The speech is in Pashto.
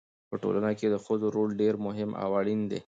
په ټولنه کې د ښځو رول ډېر مهم او اړین دی.